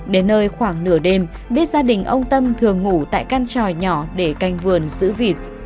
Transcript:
đến nơi khoảng nửa đêm biết gia đình ông tâm thường ngủ tại căn tròi nhỏ để canh vườn giữ vịt